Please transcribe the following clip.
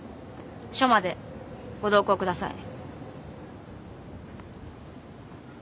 署までご同行ください。